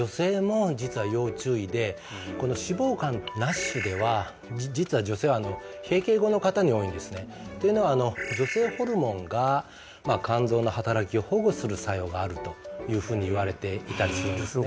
この脂肪肝ＮＡＳＨでは実は女性は閉経後の方に多いんですねというのは女性ホルモンが肝臓の働きを保護する作用があるというふうにいわれていたりするんですね